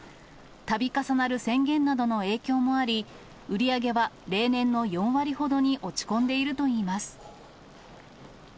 たび重なる宣言などの影響もあり、売り上げは例年の４割ほどに落ち込んでいるといいます。